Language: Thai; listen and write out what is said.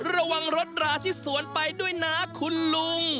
ระวังรถราที่สวนไปด้วยนะคุณลุง